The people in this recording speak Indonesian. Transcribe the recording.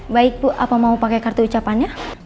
baik bu apa mau pakai kartu ucapannya